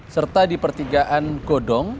serta di pertigaan godong